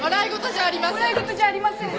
笑い事じゃありません！